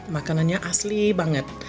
makanannya asli banget